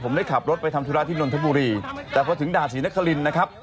ผมได้ขับรถไปทำธุระที่นนทบุรีแต่พอถึงด่านศรีนครินนะครับ